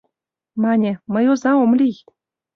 Мане: «Мый оза ом лий».